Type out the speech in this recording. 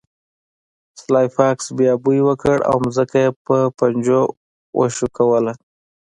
سلای فاکس بیا بوی وکړ او ځمکه یې په پنجو وښکوله